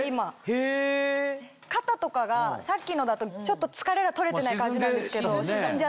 肩とかがさっきのだとちょっと疲れが取れてない感じなんですけど沈んじゃって。